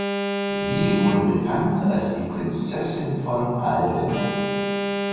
Sie wurde bekannt als die „Prinzessin von Ahlden“.